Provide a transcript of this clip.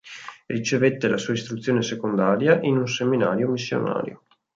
Ricevette la sua istruzione secondaria in un seminario missionario.